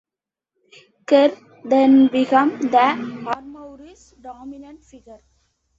Kerr then became the Armoury's dominant figure.